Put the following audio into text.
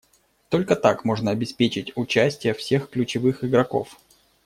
Только так можно обеспечить участие всех ключевых игроков.